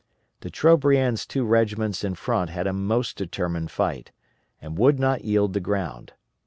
De Trobriand's two regiments in front had a most determined fight, and would not yield the ground.